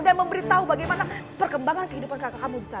dan memberi tahu bagaimana perkembangan kehidupan kakak kamu disana